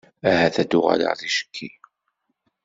Ahat ad d-uɣaleɣ ticki.